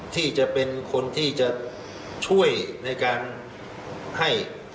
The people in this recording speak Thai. ที่จะเป็นคนที่จะช่วยในการให้